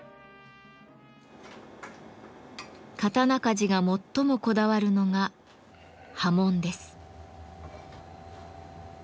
刀鍛冶が最もこだわるのが刃文です。